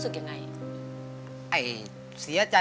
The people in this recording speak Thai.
สวัสดีครับ